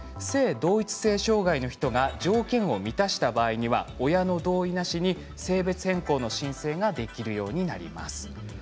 性同一性障害の人が条件を満たした場合には親の同意なしに性別変更の申請ができるようになります。